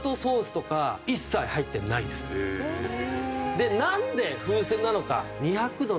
でなんで風船なのか？